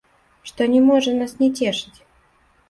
Што не можа нас не цешыць?